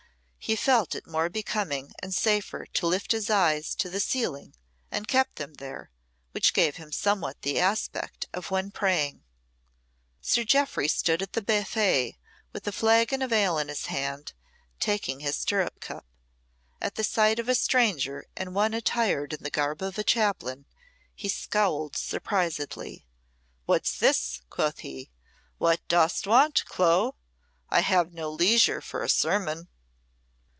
He felt it more becoming and safer to lift his eyes to the ceiling and keep them there, which gave him somewhat the aspect of one praying. Sir Jeoffry stood at the buffet with a flagon of ale in his hand, taking his stirrup cup. At the sight of a stranger and one attired in the garb of a chaplain, he scowled surprisedly. "What's this?" quoth he. "What dost want, Clo? I have no leisure for a sermon."